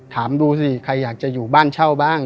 ถามดูสิใครอยากจะอยู่บ้านเช่าบ้าง